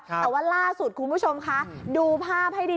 แต่ว่าล่าสุดคุณผู้ชมคะดูภาพให้ดี